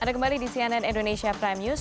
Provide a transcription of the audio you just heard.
ada kembali di cnn indonesia prime news